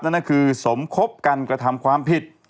นั่นก็คือสมคบกันกระทำความผิด